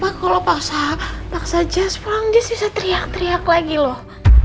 papa kalo paksa paksa jasperang dia bisa teriak teriak lagi loh